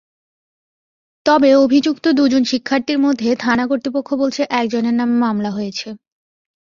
তবে অভিযুক্ত দুজন পরীক্ষার্থীর মধ্যে থানা কর্তৃপক্ষ বলছে একজনের নামে মামলা হয়েছে।